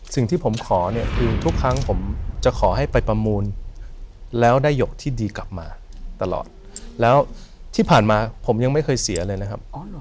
สิ่งที่ผมขอเนี่ยคือทุกครั้งผมจะขอให้ไปประมูลแล้วได้หยกที่ดีกลับมาตลอดแล้วที่ผ่านมาผมยังไม่เคยเสียเลยนะครับ